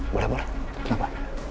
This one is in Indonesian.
boleh boleh kenapa